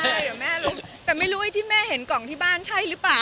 เดี๋ยวแม่รู้แต่ไม่รู้ไอ้ที่แม่เห็นกล่องที่บ้านใช่หรือเปล่า